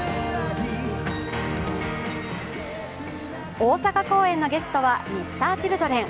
大阪公演のゲストはＭｒ．Ｃｈｉｌｄｒｅｎ。